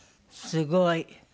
すごい。